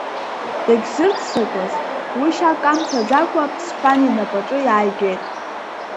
Дагьзыррцакуаз, уи шьа камҭәаӡакәа Ԥсҳәан инапаҿы иааигеит.